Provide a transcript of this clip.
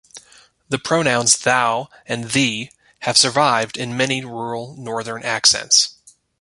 The pronouns "thou" and "thee" have survived in many rural Northern accents.